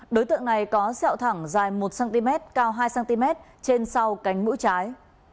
đối tượng này có dẹo thẳng dài một cm cao hai cm trên sau cánh mũ trái